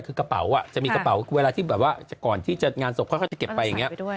คือกระเป๋าจะมีกระเป๋าเวลาที่แบบว่าก่อนที่จะงานศพค่อยจะเก็บไปอย่างนี้